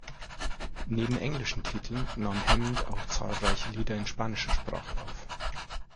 Neben englischen Titeln nahm Hammond auch zahlreiche Lieder in spanischer Sprache auf.